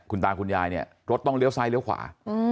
คุณตาคุณยายเนี่ยรถต้องเลี้ยวซ้ายเลี้ยวขวา